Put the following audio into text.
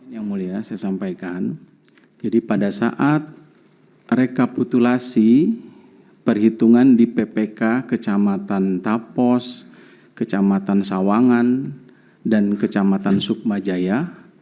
yang mulia saya sampaikan jadi pada saat rekapitulasi perhitungan di ppk kecamatan tapos kecamatan sawangan dan kecamatan sukmajaya